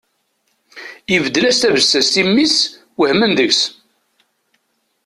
Ibeddel-as tabessast i mmi-s, wehment deg-s.